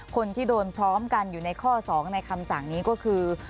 คนที่โดนพร้อมกันอยู่ในข้อ๒ในคำสั่งนี้ก็คือ